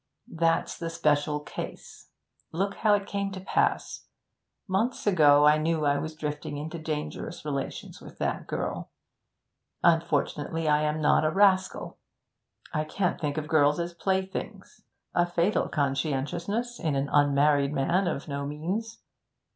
'That's the special case. Look how it came to pass. Months ago I knew I was drifting into dangerous relations with that girl. Unfortunately I am not a rascal: I can't think of girls as playthings; a fatal conscientiousness in an unmarried man of no means.